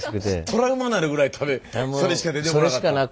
トラウマなるぐらいそれしか出てこなかった。